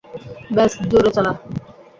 ব্যস জোরে চালা।